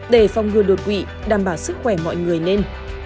để phòng ngừa đột quỵ đảm bảo sức khỏe mọi người lên